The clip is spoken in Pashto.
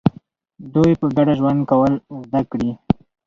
دوی په ګډه ژوند کول زده کړي.